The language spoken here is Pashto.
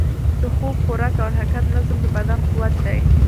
د خوب، خوراک او حرکت نظم، د بدن قوت دی.